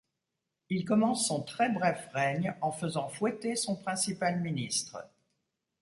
Il commence son très bref règne en faisant fouetter son principal ministre.